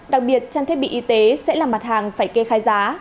đặc biệt trang thiết bị y tế sẽ là mặt hàng phải kê khai giá